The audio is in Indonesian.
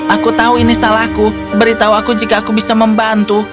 aku tahu ini salahku beritahu aku jika aku bisa membantu